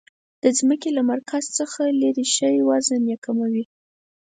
د ځمکې له مرکز څخه لیرې شئ وزن یي کمیږي.